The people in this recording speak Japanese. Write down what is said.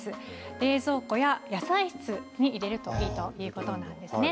冷蔵庫や野菜室に入れるといいということなんですね。